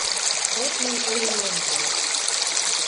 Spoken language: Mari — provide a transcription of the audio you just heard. Ротный ойырлен кайыш.